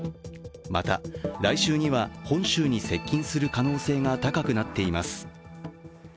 また、来週には本州に接近する可能性が高くなっています。